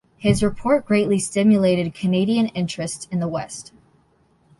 His report greatly stimulated Canadian interest in the West.